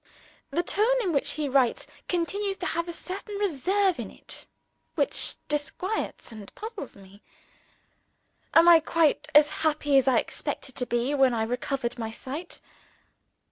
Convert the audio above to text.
The tone in which he writes continues to have a certain reserve in it which disquiets and puzzles me. Am I quite as happy as I expected to be when I recovered my sight?